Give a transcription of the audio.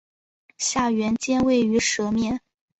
下原尖位于舌面。